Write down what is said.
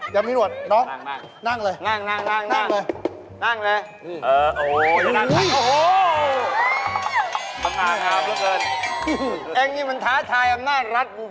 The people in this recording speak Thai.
แล้วทำไมเตรียมมา